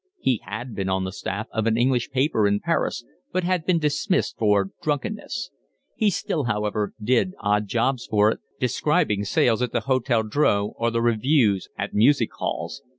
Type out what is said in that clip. He had been on the staff of an English paper in Paris, but had been dismissed for drunkenness; he still however did odd jobs for it, describing sales at the Hotel Drouot or the revues at music halls.